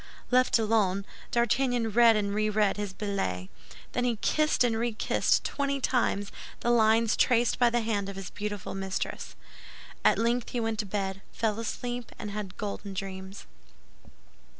Left alone, D'Artagnan read and reread his billet. Then he kissed and rekissed twenty times the lines traced by the hand of his beautiful mistress. At length he went to bed, fell asleep, and had golden dreams.